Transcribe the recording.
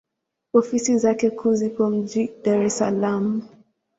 Ofisi zake kuu zipo mjini Dar es Salaam.